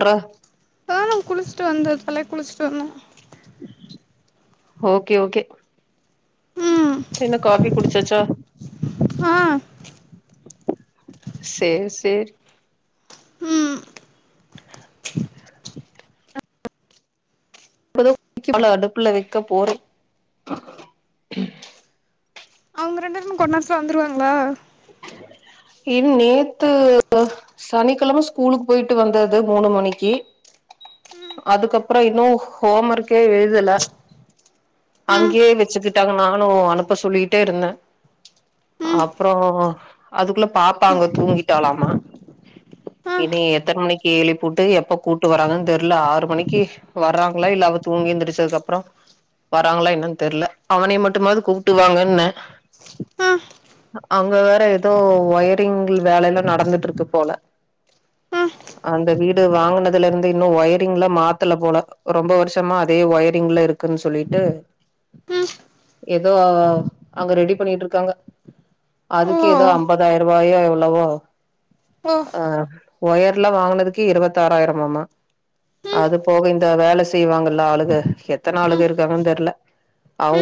Bro இப்பதா நா குளிச்சிட்டு வந்த தலைக் குளிச்சிட்டு வந்தோ ஓகே ஓகே ம் என்ன காஃபி குடிச்சாச்சா ஆ சேர் சேர் ம் அஹ [inaudible] இப்பதா க்கி பால அடுப்புல வெக்க போறோ அவுங்க ரெண்டு பேரு கொண் நேரத்துல வந்துருவாங்ளா இன் நேத்து சனிக்கிழம ஸ்கூலுக்கு போயிட்டு வந்தது மூணு மணிக்கி ம் அதுக்கப்புறோ இன்னு ஹோம் ஒர்க்கே எழுதல ம் அங்கே வெச்சுக்கிட்டாங்க நானு அனுப்ப சொல்லிகிட்டே இருந்தே ம் அப்புறோ அதுக்குள்ள பாப்பா அங்க தூங்கிட்டாலாம ஆ இனி எத்தன் மணிக்கு எழிப்புட்டு எப்ப கூட்டு வராங்கன் தெர்ல ஆறு மணிக்கு வர்றாங்ளா இல்லா அவ தூங்கி எந்திரிச்சதுக்கப்றோ வராங்களா என்னன் தெர்ல அவனே மட்டுமாது கூப்ட்டுவாங்கன்ன ஆ அங்க வேற எதோ ஒயரிங்கில் வேலெயல்லா நடந்துட்டுருக்கு போல ம் அந்த வீடு வாங்கனதுல இருந்து இன்னு ஒயரிங்லா மாத்தல போல ரொம்ப வருஷமா அதே ஒயரிங்ல இருக்குன் சொல்லிட்டு ம் எதோ அங்க ரெடி பண்ணிட்டுருக்காங்க ஓ அதுக்கு எதோ அம்பதாயிரபாயோ எவ்ளவோ உ ஆ ஒயர்லா வாங்கனதுக்கே இருவத்தாறாயிரமாமா ம் அது போக இந்த வேல செய்வாங்கல்ல ஆளுக எத்தன ஆளுக ம் இரு க்காகன் தெர்ல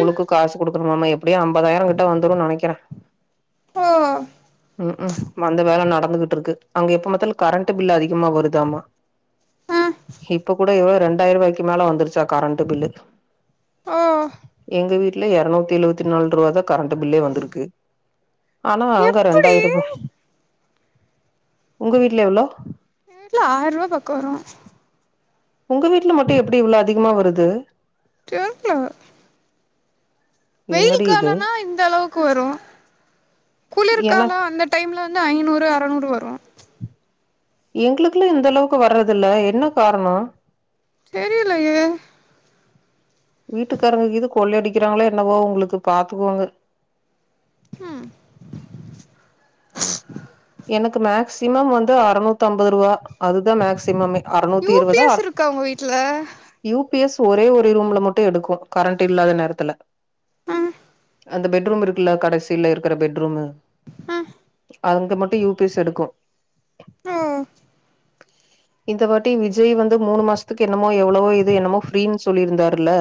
ம் காசு குடுக்கணும்மாம எப்படியு ஐம்பதாயிரம் கிட்ட வந்துருன் நெனைக்கிறே தோ ம்க்ம் வந்த வேல நடந்துகிட்ருக்கு அங்க எப்ப பாத்தாலு கரண்ட் பில்லு அதிகமா வருதாமா ஆ இப்ப கூட எவ்ள ரெண்டாயிருவாய்க்கு மேலே வந்துருச்சா கரண்ட்டு பில்லு ஆ எங்க வீட்ல இருநூத்தி எழுவத்தி நால்ருவாதா கரண்ட்டு பில்லே வந்திருக்கு ஆனா அங்க எப்டி ரெண்டாய்ருபா உங்க வீட்ல எவ்ளோ எங்க வீட்ல ஆய்ருவா பக்கோ வரு உங்க வீட்ல மட்டு எப்படி இவ்ளோ அதிகமா வருது தெர்ல வெயில் என்னடி இது காலனா இந்த அளவுக்கு வரு எனக் குளிருகாலோ அந்த டைம்ல வந்து ஐநூறு அறநூறு வரு எங்ளுக்குல்லா இந்தளவுக்கு வர்றது இல்ல என்ன காரணோ தெரிலையே வீட்டுக்காரங்க கீது கொள்ளை அடிக்கிறாங்களோ என்னவோ உங்களுக்கு பாத்துக்கோங்க ம் எனக்கு மேக்சிமம் வந்து அறுநூத்தம்பதுருவா அதுதா மேக்சிமமே அறுநூத்தி யூ பி இருவதா எஸ் அற இருக்கா உங்க வீட்ல யூ பி எஸ் ஒரே ஒரு ரூம்ல மட்டு எடுக்கு கரண்ட் இல்லாத நேரத்துல ம் அந்த பெட்ரூம் இருக்குல்ல கடைசில இருக்கிற பெட்ரூமு ம் அங்க மட்டு யூ பி எஸ் எடுக்கு ம் இந்த வாட்டி விஜய் வந்து மூணு மாசத்துக்கு என்னமோ எவ்வளவோ இது என்னமோ ஃப்ரீன் சொல்லிருந்தாருல்ல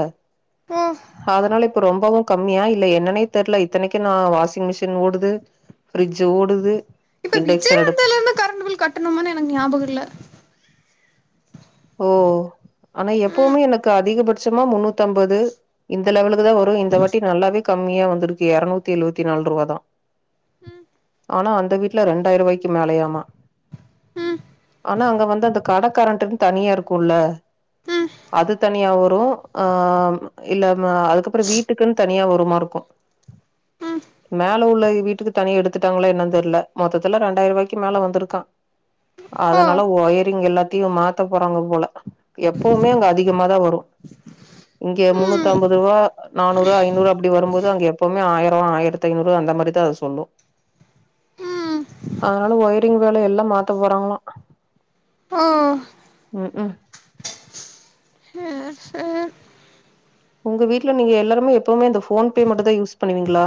ம் அதனால இப்ப ரொம்பவு கம்மியா இல்ல என்னன்னே தெர்ல இத்தனிக்கு நா வாஷிங் மிஷின் ஓடுது ஃப்ரிட்ஜ்ஜு ஓடுது இப்ப விஜய் இண்டக்ஷன் அடுப் வந்தல்ல இருந்து கரண்ட் பில் கட்டணுமானு எனக் ஞாபக இல்ல ஓ ஆனா ம் எப்பவுமே எனக்கு அதிகபட்சமா முன்னூத்தம்பது இந்த லெவலுக்கு தா வரு இந்த வாட்டி நல்லாவே கம்மியா வந்திருக்கு எரநூத்தி எழுவத்தி நால்ருவாதா ம் ஆனா அந்த வீட்ல ரெண்டாய்ருவாய்க்கு மேலயாமா ம் ஆனா அங்க வந்து அந்த கடக்காரண்டன் தனியா இருக்குல்ல ம் அது தனியா வரு ஆ இல்ல ம அதுக்கப்பறோ வீட்டுக்குன் தனியா வருமா இருக்கு [inaudible] மேல உள்ள வீட்டுக்கு தனியா எடுத்துட்டாங்களா என்னான் தெரில மொத்தத்துல ரெண்டாயிருவாய்க்கு மேல வந்துருக்கா [inaudible] அதுனால ஒயரிங் எல்லாத்தையு மாத்த போறாங்க போல எப்பவுமே அங்க அதிகமா தா வரு இங்க முன்னூத் ம் அம்பது ருவா நானூறு ஐநூறு அப்டி வரும்போது அங்க எப்வுமே ஆயரோ ஆயரத்தி ஐநூறு அந்த மாரிதா அது சொல்லு [inaudible] அதுனால ஒயரிங் வேல எல்லா மாத்த போறாங்களா ஓ ம் ம் சேர் சேர் ஒங்க வீட்ல நீங்க எல்லாருமே எப்பவுமே அந்த போன் ஃபே மட்டுந் தா யூஸ் பண்ணுவீங்களா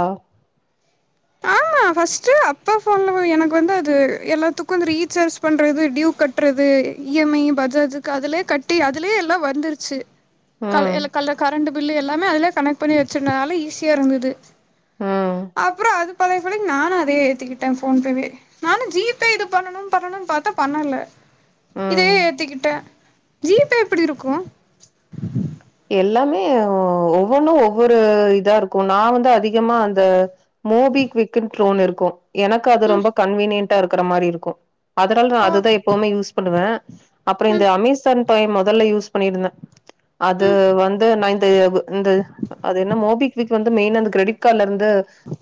நா ஃபஸ்ட்டு அப்பா போன்ல எனக்கு வந்து அது எல்லாத்துக்கு அந்த ரீசார்ஜ் பண்றது டியூ கட் றது இ எம் ஐ பஜாஜுக்கு அதுலயே கட்டி அதுலயே எல்லா வந்துருச்சு கல ம் எல கல கரண்ட்டு பில்லு எல்லாமே அதுலய கனெக்ட் பண்ணி வச்சுருந்தனால ஈஸியா இருந்தது ம் அப்பறோ அது கூட நானு அதயே ஏத்திக்கிட்டே போன்பேவே நானு ஜிபே இது பண்ணனு பண்ணணுன் பாத்தா பண்ணல ம் இதயே ஏத்திக்கிட்டே ஜிபே எப்டி இருக்கு எல்லாமே ஒவ்வொன்னு ஒவ்வொரு இதா இருக்கு நா வந்து அதிகமா அந்த மோபி க்விக்னு ட்ரோன் இருக்கு எனக்கு அது ம் ரொம்ப கன்வீனியன்டா இருக்கற மாரி இருக்கு அதுனால நா ஓ அதுதா எப்பவுமே யூஸ் பண்ணுவே அப்பறோ ம் இந்த அமேசான் பை மொதல்ல யூஸ் பண்ணிருந்தே அது ம் வந்து நா இந்த இவு இந்த அது என்ன மோபிக்விக் வந்து மெயினா இந்த கிரெடிட் கார்ட்ல இருந்து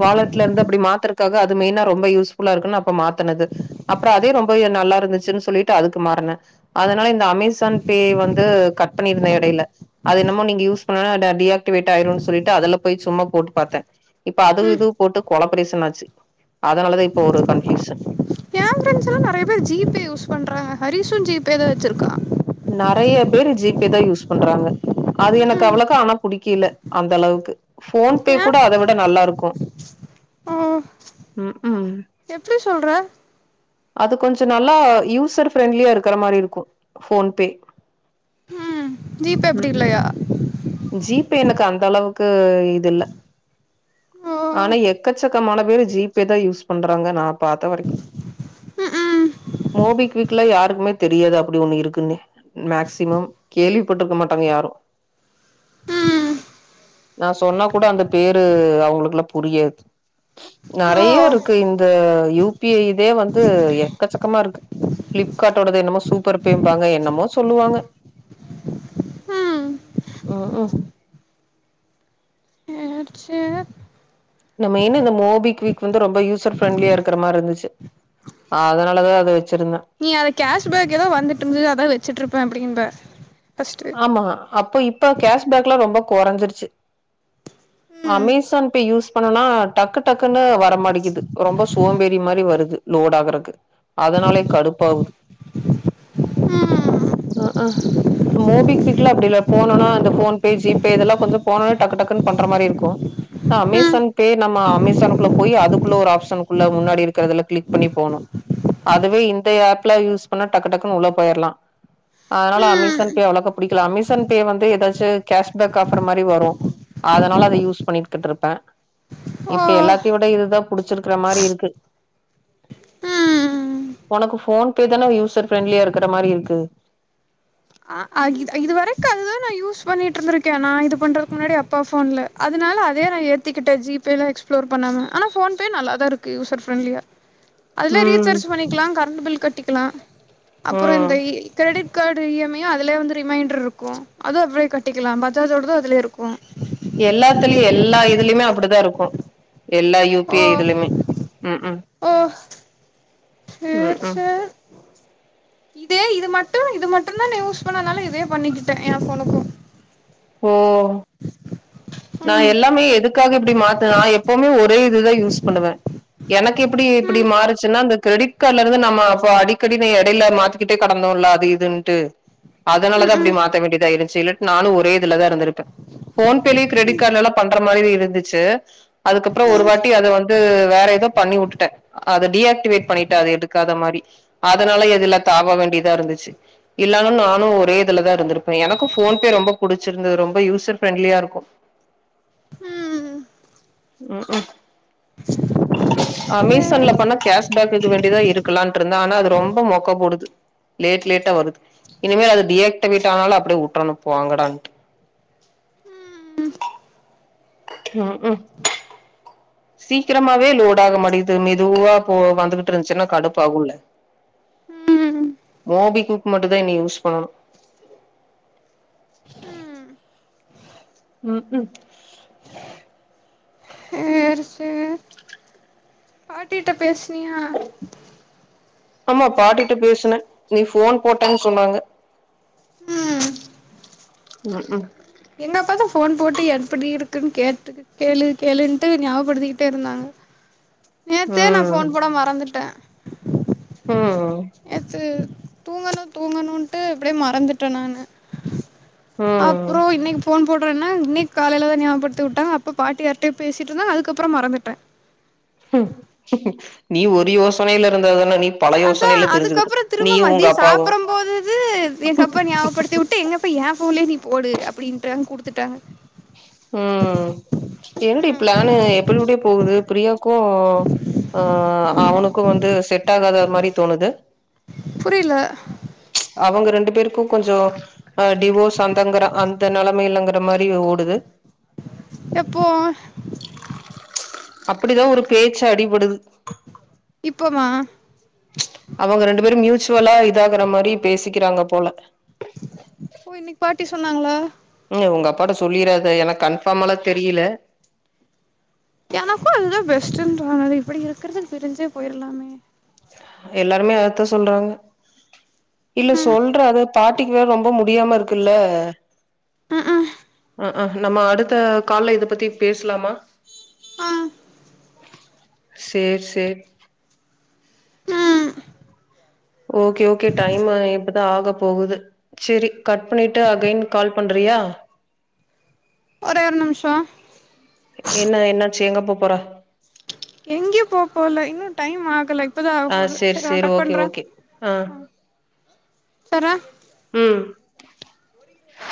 வாலட்ல இருந்து அப்டி மாத்தரக்காக அது மெயினா ரொம்ப யூஸ்ஃபுல்லா இருக்குன் அப்ப மாத்தனது அப்பறோ அதே ரொம்ப நல்லா இருந்துச்சுன் சொல்லிட்டு அதுக்கு மாறனே அதுனால இ இந்த அமேசான் பே வந்து கட் பண்ணிருந்தே எடேல அது என்னமோ நீங்க யூஸ் பண்ணுலனா ட டிஆக்டிவேட் ஆயிருனு சொல்லிட்டு அதுல போய் சும்மா போட்டு பாத்தே இப்ப அது ம் இது போட்டு கொலப்பரேசன் ஆச்சு அதனாலதா இப்ப ஒரு கன்பியூசன் ஏ ப்ரெண்டஸல்லா நெறைய பேர் ஜிபே யூஸ் பண்ணுறாங்க ஹரீஸு ஜிபே தா வச்சுருக்கா நெறைய பேரு ஜிபே தா யூஸ் பண்றாங்க அது ம் எனக்கு ம் அவ்வளக்கா ஆனா புடிக்கீல அந்த அளவுக்கு போன்பே ஏ கூட அத விட நல்லாருக்கு [inaudible] ம் ம் எப்டி சொல்ற அது கொஞ்சோ நல்லா யூசர் ஃப்ரெண்ட்லியா இருக்கற மாரி இருக்கு போன்பே ஜீபே அப்டி இல்லயா ஜீபே எனக்கு அந்த அளவுக்கு இது இல்ல ஓ ஆனா எக்கச்சக்கமான பேரு ஜீபே தா யூஸ் பண்றாங்க நா பாத்த வரைக்கு ம் ம் மோபிக்விக்ல யாருக்குமே தெரியாது அப்டி ஒண்ணு இருக்குன்னே மேக்சிமம் கேள்விப்பட்ருக்க மாட்டாங்க யாரு ம் நா சொன்னா கூட அந்த பேரு அவுங்களுக்குல்லா புரியாது ஓ நெறைய இருக்கு இந்த யூ பி ஐ இதே வந்து எக்கச்சக்கமா இருக்கு பிளிப்கார்ட்டோடது என்னமோ சூப்பர் பேம்பாங்க என்னமோ சொல்லுவாங்க ம் உஹூம் [unintelligible] இந்த மெயின்னு இந்த மோபிக்விக் வந்து ரொம்ப யூசர் ஃப்ரெண்ட்லியா இருக்கற மாரி இருந்துச்சு அ அதனாலதா அது வெச்சிருந்த நீ அத கேஷ்பேக் எதாவது வந்துட்டு இருந்தது அதான் வெச்சுட்டு இருப்பேன் அப்டிம்ப ஃபர்ஸ்ட்டு ஆமா அப்போ இப்ப கேஷ்பேக் எல்லா ரொம்ப குறைஞ்சிருச்சு ம் அமேசான் இப்ப யூஸ் பண்ணனா டக்கு டக்குன்னு வர மாட்டீகுது ரொம்ப சோம்பேறி மாரி வருது லோடு ஆகருக்கு அதனாலயே கடுப்பாவுது [inaudible] ம் அ மோபிக்குவிக்ல அப்டி இல்ல போனொன்ன அந்த ஃபோன் பே, ஜிபே இதெல்லா கொஞ்சோ போன ஒன்ன டக்கு டக்குன்னு பண்ற மாரி இருக்கு ம் அமேசான் பே நம்ம அமேசான் குள்ள போய் அதுக்குள்ள ஒரு ஆப்ஷன் குள்ள முன்னாடி இருக்கறதுல கிளிக் பண்ணி போணு அதுவே இந்த ஆப்ல யூஸ் பண்ணா டக்கு டக்குன்னு உள்ள போயிரலா அதனால ம் அமேசான் பே அவ்ளக்கா புடிக்கல அமேசான் பே வந்து எதாச்சு கேஷ் பேக் ஆஃபர் மாரி வரு அதனால அத யூஸ் பண்ணிகிட்டு இருப்ப ஓ இப்ப எல்லாத்தயு விட இதுதா புடிச்சிருக்கிற மாரி இருக்கு ம் உனக்கு ஃபோன் பே தான யூசர் ஃப்ரெண்ட்லியா இருக்கிற மாரி இருக்கு ஆ ஆ இது வரைக்கு அதுதா நா யூஸ் பண்ணிட்டு இருந்திருக்கேன் நா இது பண்றதுக்கு முன்னாடி அப்பா ஃபோன்ல அதனால அதே நா ஏத்துகிட்ட ஜிபேயெல்லா எக்ஸ்ப்ளோர் பண்ணாம ஆனா ஃபோன்பே நல்லாதா இருக்கு யூசர் ஃப்ரெண்ட்லியா [inaudible] அதுல ம் ரீசார்ஜ் பண்ணிக்கலா கரண்ட் பில் கட்டிக்கலா அப்றோ ம் இந்த credit card E M I அதுலயே வந்து ரிமைண்டர் இருக்கு அதுவு அப்டியே கட்டிக்கலா பஜாஜோடது அதுலயே இருக்கு எல்லாத்துலயு எல்லா இதுலயுமே அப்டிதா இருக்கு எல்லா யு பி ஐ ஓ இதிலுமே ம்ஹும் ஓ ம் சேர் ம் சேர் இதே இது மட்டு இது மட்டுந்தா நா யூஸ் பண்ணனுனால இதே பண்ணிக்கிட்ட என் பொழப்பு ஓ நா ம் எல்லாமே எதுக்காக இப்டி மாத்துனா நா எப்புமே ஒரே இதுதா யூஸ் பண்ணுவ எனக்கு எப்டி இப்டி ம் மாறுச்சுனா அந்த கிரெடிட் கார்டுல இருந்து நம்ம அப்போ அடிகடி நீ எடைல மாத்தி கிட்டே கிடந்தோல்ல அது இதுன்ட்டு [inaudible] அதனாலதா அப்டி ம் மாத்த வேண்டியதாயிருச்சு இல்லட்னா நானு ஒரே இதுலதா இருந்திருப்ப ஃபோன் பேலயே கிரெடிட் கார்டுலல்லா பண்ற மாரி இருந்துச்சு அதுக்கப்றோ ம் ஒரு ம் வாட்டி அது வந்து ட்டு வேற ஏதோ பண்ணி விட்டுட்ட அது டீ ஆக்டிவேட் பண்ணிட்ட அது எடுக்காத மாரி அதனால இதுல தாவ வேண்டியதா இருந்துச்சு இல்லனா நானு ஒரே இதுலதா இருந்திருப்ப எனக்கு ஃபோன் பே ரொம்ப புடிச்சிருந்தது ரொம்ப யூசர் ஃபிரெண்ட்லியா இருக்கு ம் ம்ஹும் [inaudible] அமேசான்ல சேரி பண்ணா கேஷ் பேக்குக்கு வேண்டிதா இருக்கலான்ட்டுருந்த ஆனா அது ரொம்ப மொக்க போடுது லேட் லேட்டா வருது இனிமேல் அது டீ ஆக்டிவேட் ஆனாலு அப்டியே விட்டுருனு போங்கடான்ட்டு ம் [unintelligible] ம்ஹும் சீக்கிரமாவே லோடு ஆக மாட்டேகுது மெதுவா போ வந்துகிட்டு இருந்துச்சுனா கடுப்பாகுல்ல ம் ஓபி குரூப் மட்டும் தான் இனி யூஸ் பண்ணனும் ம் உஹும் [unintelligible] சேர் சேர் பாட்டிட பேசனியா? ஆமா பாட்டி கிட்ட பேசின நீ போன் போட்டேன்னு சொன்னாங்க ம் உஹீம் எங்க அப்பா தான் போன் போட்டு எப்படி இருக்குன்னு கேட்டு கேளு கேளுன்ட்டு ஞாப்படுத்திகிட்டே இருந்தாங்க நேத்தே நா ம் ஃபோன் போட மறந்துட்டே ஓ ஓ நேத்து தூங்கணு தூங்கணுன்ட்டு அப்டே மறந்துட்டே நானு ம் அப்பறோ இன்னைக்கு ஃபோன் போட்றேன்ன இன்னைக் காலைல தா ஞாப்படுத்தி வுட்டாங்க அப்ப பாட்டி யார்ட்டையோ பேசிட்டிருந்தாங்க அதுக்கப்பறோ மறந்துட்டே உ நீ ஒரு யோசனையில இருந்தா தானே நீ பல அதா யோசனையில திரிஞ்சுகிட்டு அதுக்கப்புற திரும்ப நீயு மதிய உங்க அப்பாவு சாப்பிறம் போதுது எங்க அப்பா ஞாபகப்படுத்தி வுட் டு எங்கப்ப ஏ ஃபோன்லேயே நீ போடு அப்படீன்ட்றாங் குடுத்துட்டாங்க ம் ஏன்டி பிளான்னூ எப்டெப்டியோ போகுது பிரியாக்கும் ஆ அவனுக்கு வந்து செட் ஆகாத மாரி தோணுது புரில அவங்க ரெண்டு பேருக்கு கொஞ்சோ அ டிவோர்ஸ் அந்தங்கற அந் த நெலமை இல்லங்கற மாரி ஓடுது எப்போ அப்டிதான் ஒரு பேச்சு அடிபடுது. இப்பமா அவங்க ரெண்டு பேரும் மியூச்சுவலா இது ஆகுற மாரி பேசிக்கிறாங்க போல ஓ இன்னிக்கு பாட்டி சொன்னாங்கலா ம் உங்க அப்பாட்ட சொல்லிராத எனக்கு கன்பார்மாலா தெரியல எனக்கு அதுதா பெஸ்ட்டுன்னு தோனுது இப்டி இருக்கறதுக்கு பிரிஞ்சே போயிறலாமே எல்லாருமே அதத்தா சொல்றாங்க இல்ல ம் சொல்ற அது பாட்டிக்கு வேற ரொம் ப முடியாம இருக்குல்ல ம் ம் அ அ நம்ம அடுத்த கால்ல இத பத்தி பேசலாமா ஆ சேர் சேரி அ ஓகே ஓகே டைம்மு இப்பதா ஆகப் போகுது சேரி கட் பண்ணிட்டு அகைன் கால் பண்றியா ஒரேரு நிமிஷோ என்ன என்னாச்சி எங்க போ போற எங்கேயு போ போல இன்னு டைம் ஆகல இப்பதா ஆ போது சேர் சரி நா சேர் கட் ஓகே பண்ற ஓகே ஆ சர்ரா ம் சேரிவட்டா